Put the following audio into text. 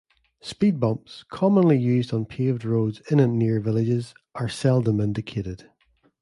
Speed bumps, commonly used on paved roads in and near villages, are seldom indicated.